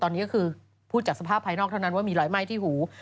ตอนนี้ก็คือพูดจากสภาพภายนอกเท่านั้นว่ามีรอยไหม้ที่หู